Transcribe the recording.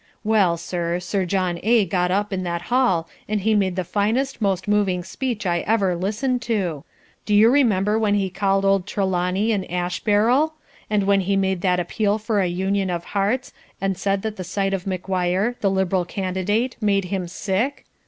Well, sir, Sir John A. got up in that hall and he made the finest, most moving speech I ever listened to. Do you remember when he called old Trelawney an ash barrel? And when he made that appeal for a union of hearts and said that the sight of McGuire (the Liberal candidate) made him sick?